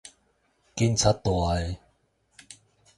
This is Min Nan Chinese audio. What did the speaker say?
警察大--的